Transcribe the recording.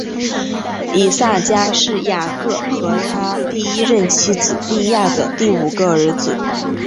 以萨迦是雅各和他第一任妻子利亚的第五个儿子。